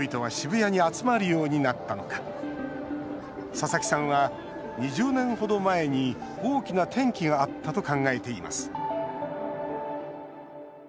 佐々木さんは、２０年程前に大きな転機があったと考えています。